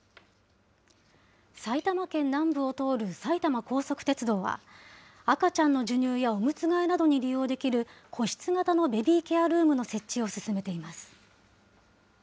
埼玉県南部を通る埼玉高速鉄道は、赤ちゃんの授乳やおむつ替えなどに利用できる個室型のベビーケアルームの設置を進めています。